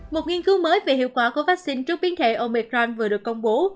một nghiên cứu mới về hiệu quả của vắc xin trước biến thể omicron vừa được công bố